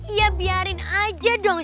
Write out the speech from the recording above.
ya biarin aja dong